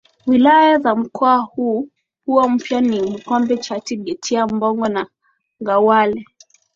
Wilaya za mkoa huo mpya ni Bukombe Chato Geita Mbongwe na Nyanghwale